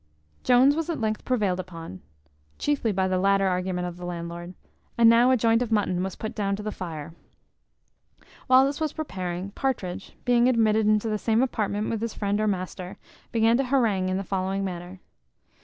Jones was at length prevailed on, chiefly by the latter argument of the landlord; and now a joint of mutton was put down to the fire. While this was preparing, Partridge, being admitted into the same apartment with his friend or master, began to harangue in the following manner.